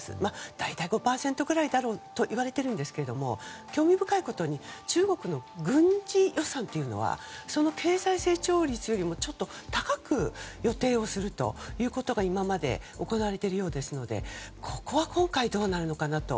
大体、５％ぐらいだろうといわれていますが興味深いことに中国の軍事予算はその経済成長率よりもちょっと高く予定するということが今まで行われているようですのでここは今回どうなるのかなと。